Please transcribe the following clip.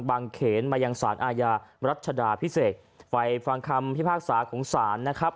เขนมายังสารอาญารัชดาพิเศษไปฟังคำพิพากษาของศาลนะครับ